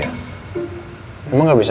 apa kamu sudah setuju